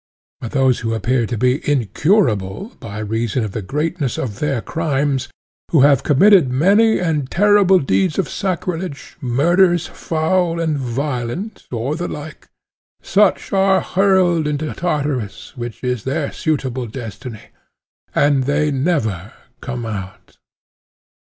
But those who appear to be incurable by reason of the greatness of their crimes—who have committed many and terrible deeds of sacrilege, murders foul and violent, or the like—such are hurled into Tartarus which is their suitable destiny, and they never come out.